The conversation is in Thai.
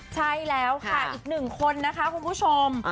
ใช่แล้วค่ะอีกหนึ่งคนนะคะคุณผู้ชม